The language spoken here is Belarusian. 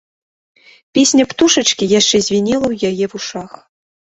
Песня птушачкі яшчэ звінела ў яе вушах.